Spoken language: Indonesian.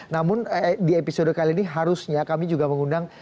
namun di episode kali ini harusnya kami juga mengundang